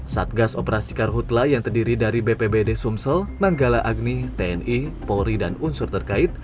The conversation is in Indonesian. satgas operasi karhutlah yang terdiri dari bpbd sumsel manggala agni tni polri dan unsur terkait